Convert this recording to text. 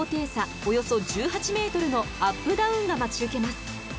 およそ１８ｍのアップダウンが待ち受けます。